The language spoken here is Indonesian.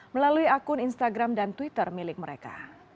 melalui akun instagram dan twitter milik mereka